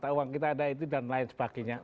uang kita ada itu dan lain sebagainya